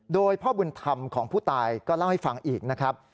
โดยพ่อบุญธรรมของผู้ตายก็เล่าให้ฟังอีกนะครับ